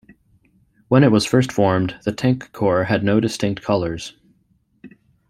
When it was first formed, the Tank Corps had no distinctive colours.